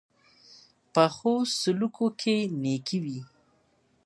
پخو سلوکو کې نېکي وي